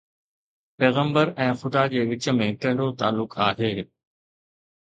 پيغمبر ۽ خدا جي وچ ۾ ڪهڙو تعلق آهي؟